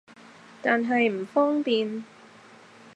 但係唔方便